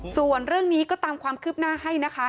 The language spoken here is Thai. ส่วนเรื่องนี้ก็ตามความคืบหน้าให้นะคะ